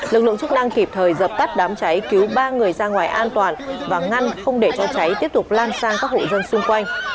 lực lượng chức năng kịp thời dập tắt đám cháy cứu ba người ra ngoài an toàn và ngăn không để cho cháy tiếp tục lan sang các hộ dân xung quanh